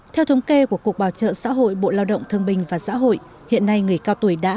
theo thống kê của cục bảo trợ xã hội bộ lao động thương bình và xã hội hiện nay người cao tuổi đã